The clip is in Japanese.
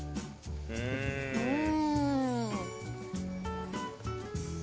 うん。